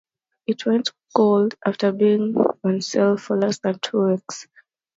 It went gold after being on sale for less than two weeks.